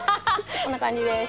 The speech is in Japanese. こんな感じです。